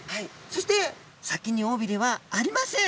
そして先におびれはありません。